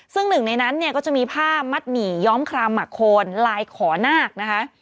ซึ่งหนึ่งในนั้นเนี่ยก็จะมีผ้ามัดหมี่ย้อมครามหมักโคนลายขอนาคนะคะ